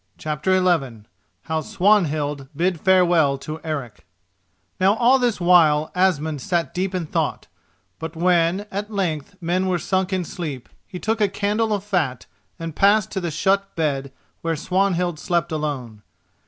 CHAPTER XI HOW SWANHILD BID FAREWELL TO ERIC Now all this while Asmund sat deep in thought; but when, at length, men were sunk in sleep, he took a candle of fat and passed to the shut bed where Swanhild slept alone.